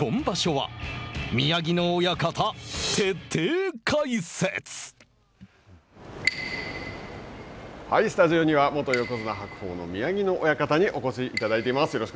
はい、スタジオには元横綱白鵬の宮城野親方にお越しいただいています。